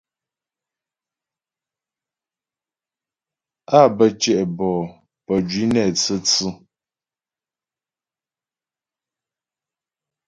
Á bə́ tyɛ' bɔ'ó pə́jwǐ nɛ tsə̌tsʉ.